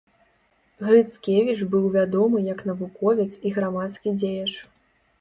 Грыцкевіч быў вядомы як навуковец і грамадскі дзеяч.